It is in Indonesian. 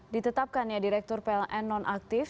ditetapkan ya direktur pln nonaktif